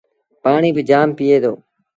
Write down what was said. پآڻيٚ با جآم پييٚئي دو۔